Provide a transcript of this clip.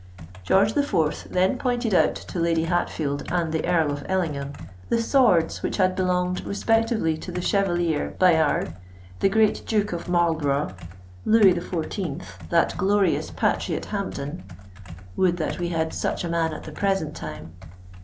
George the Fourth then pointed out to Lady Hatfield and the Earl of Ellingham, the swords which had belonged respectively to the Chevalier Bayard, the great Duke of Marlborough, Louis XIV., that glorious patriot Hampden (would that we had such a man at the present time!)